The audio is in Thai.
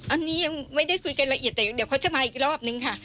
อันนี้ยังไม่ได้คุยกันละเอียดแต่เดี๋ยวเขาจะมาอีกรอบนึงค่ะ